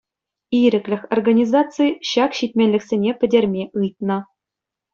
«Ирӗклӗх» организаци ҫак ҫитменлӗхсене пӗтерме ыйтнӑ.